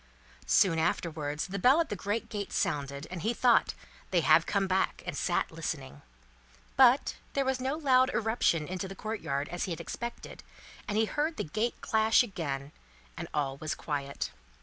Soon afterwards, the bell at the great gate sounded, and he thought, "They have come back!" and sat listening. But, there was no loud irruption into the courtyard, as he had expected, and he heard the gate clash again, and all was quiet.